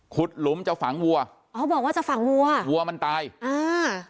หลุมจะฝังวัวอ๋อบอกว่าจะฝังวัววัวมันตายอ่า